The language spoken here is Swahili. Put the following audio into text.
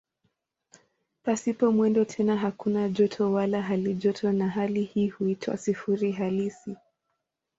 Pasipo mwendo tena hakuna joto wala halijoto na hali hii huitwa "sifuri halisi".